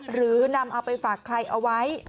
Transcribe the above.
หรือนำเอาไปฝากใครเอาไว้